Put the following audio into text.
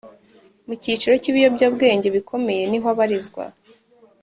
Mu cyiciro cy ibiyobyabwenge bikomeye niho abarizwa